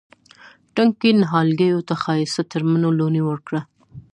تنکي نهالګیو ته ښایسته ترمڼو لوڼې ورکړه